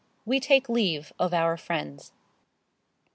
WE TAKE LEAVE OF OUR FRIENDS.